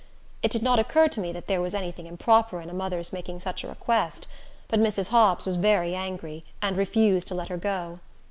It did not occur to me that there was any thing improper in a mother's making such a request; but Mrs. Hobbs was very angry, and refused to let her go.